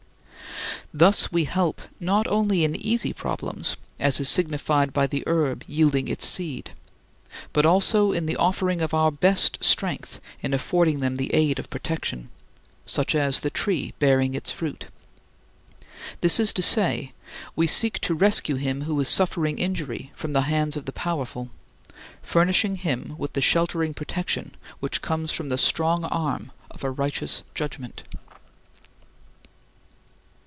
Thus we help, not only in easy problems (as is signified by "the herb yielding its seed") but also in the offering of our best strength in affording them the aid of protection (such as "the tree bearing its fruit"). This is to say, we seek to rescue him who is suffering injury from the hands of the powerful furnishing him with the sheltering protection which comes from the strong arm of a righteous judgment.